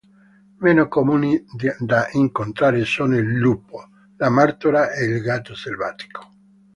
Meno comuni da incontrare sono il lupo, la martora e il gatto selvatico.